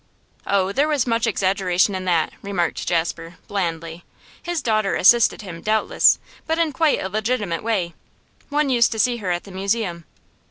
'Oh, there was much exaggeration in that,' remarked Jasper, blandly. 'His daughter assisted him, doubtless, but in quite a legitimate way. One used to see her at the Museum.